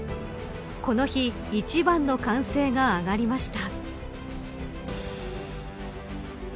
この日、一番の歓声が上がりました。